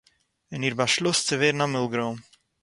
און איר באַשלוס צו ווערן א מילגרוים